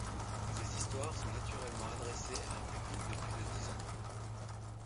Ces histoires sont naturellement adressées à un public de plus de dix ans.